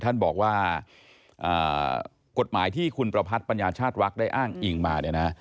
ท่านบอกว่ากฎหมายที่คุณประพัทธปัญญาชาติวักได้อ้างอิงมาเนี่ยนะ